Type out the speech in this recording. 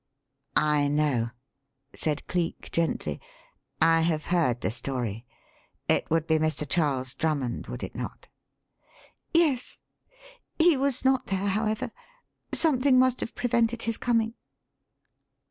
"I know," said Cleek, gently. "I have heard the story. It would be Mr. Charles Drummond, would it not?" "Yes. He was not there, however. Something must have prevented his coming."